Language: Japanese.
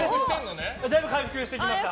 だいぶ回復してきました。